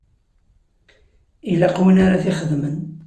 Ilaq win ara t-ixedmen.